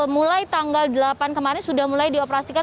mulai tanggal delapan kemarin sudah mulai dioperasikan